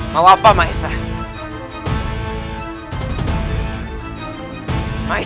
mau apa kau menyusup ke istana ini